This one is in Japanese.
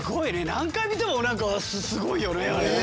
何回見ても何かすごいよねあれね。